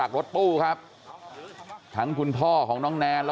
กลับไปลองกลับ